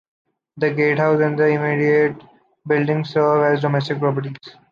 The gatehouse and the intermediate building serve as domestic properties.